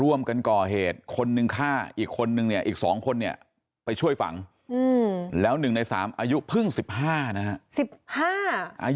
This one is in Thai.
รวมช่วยก่อเหตุคนหนึ่งฆ่าอีกสองคนไปช่วยฝังแล้วหนึ่งในซามอายุพึ่ง๑๕นะฮะ